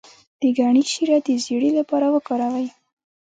د ګني شیره د زیړي لپاره وکاروئ